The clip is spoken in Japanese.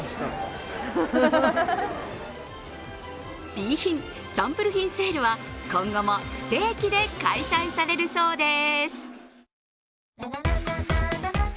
Ｂ品、サンプル品セールは今後も不定期で開催されるそうです。